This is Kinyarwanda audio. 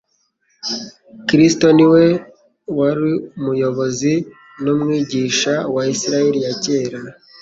Kristo ni we wari Unruyobozi n'Umwigisha wa Isiraeli ya kera,